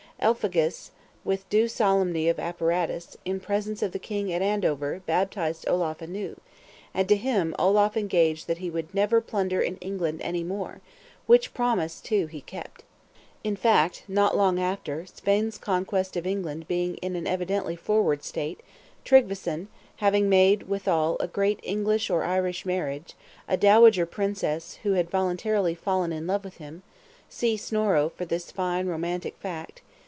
Elphegus, with due solemnity of apparatus, in presence of the king, at Andover, baptized Olaf anew, and to him Olaf engaged that he would never plunder in England any more; which promise, too, he kept. In fact, not long after, Svein's conquest of England being in an evidently forward state, Tryggveson (having made, withal, a great English or Irish marriage, a dowager Princess, who had voluntarily fallen in love with him, see Snorro for this fine romantic fact!)